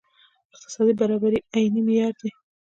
اقتصادي برابري عیني معیار دی.